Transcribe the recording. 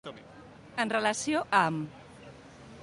En relació amb.